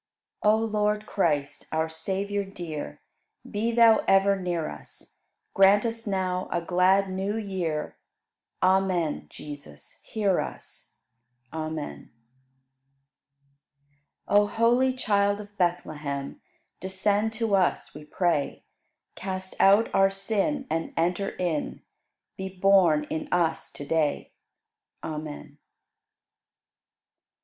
97. O Lord Christ, our Savior dear, Be Thou ever near us; Grant us now a glad New Year. Amen, Jesus, hear us! Amen. 98. O holy Child of Bethlehem, Descend to us, we pray; Cast out our sin and enter in. Be born in us to day. Amen.